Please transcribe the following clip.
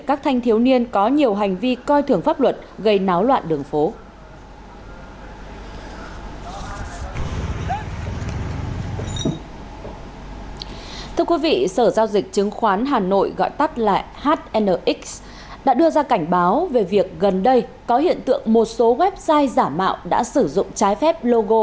các thanh thiếu niên này thuộc hai nhóm và có mâu thuẫn với nhau sau đó hẹn gặp đánh nhau để giải quyết